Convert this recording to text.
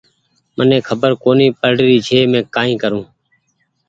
مني کبر ڪونيٚ پڙ ري ڇي ڪآئي ڪرون